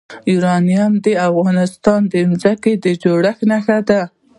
یورانیم د افغانستان د ځمکې د جوړښت نښه ده.